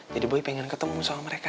jadi boy pengen ketemu sama mereka